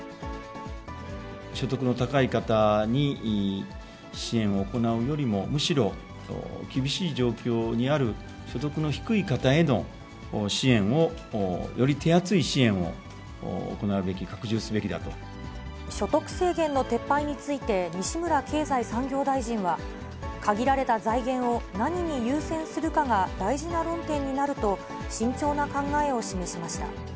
所得の高い方に支援を行うよりも、むしろ、厳しい状況にある所得の低い方への支援を、より手厚い支援を行う所得制限の撤廃について、西村経済産業大臣は、限られた財源を、何に優先するかが大事な論点になると、慎重な考えを示しました。